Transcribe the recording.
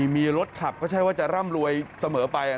มีรถขับก็ใช่ว่าจะร่ำรวยเสมอไป